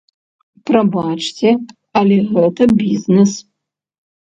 Прабачце, але гэта бізнэс.